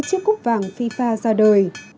khi chiếc cúp vàng fifa ra đời